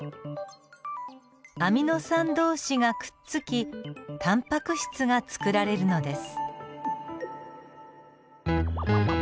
アミノ酸同士がくっつきタンパク質がつくられるのです。